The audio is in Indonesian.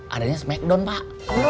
adanya smakedown pak